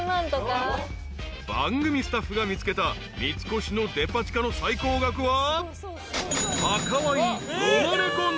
［番組スタッフが見つけた三越のデパ地下の最高額は］